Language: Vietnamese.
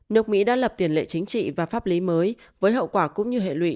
nước mỹ đã lập tiền lệ chính trị và pháp lý mới với hậu quả cũng như hệ lụy